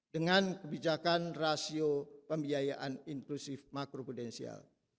dengan kebijakan rasio pembiayaan inklusif makru prudensial